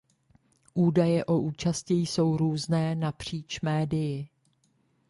Údaje o účasti jsou různé napříč médii.